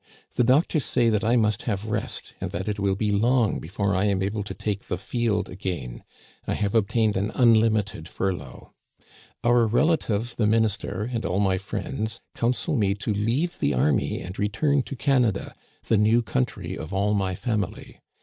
The doctors say that I must have rest, and that it will be long before I am able to take the field again. I have obtained an unlimite(f furlough. Our relative the minister and all my friends counsel me to leave the army and return to Canada, the new country of all my family.